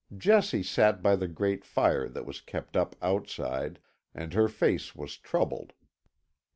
Jessie sat by the great fire that was kept up outside, and her face was troubled.